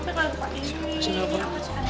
gak ada apa apa